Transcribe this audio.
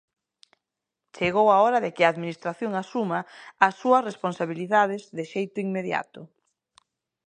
Chegou a hora de que a Administración asuma as súas responsabilidades de xeito inmediato.